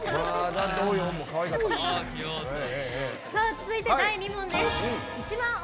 続いて第２問です。